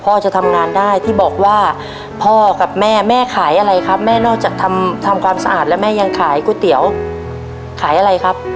พ่อจะทำงานได้ที่บอกว่าพ่อกับแม่แม่ขายอะไรครับแม่นอกจากทำความสะอาดแล้วแม่ยังขายก๋วยเตี๋ยวขายอะไรครับ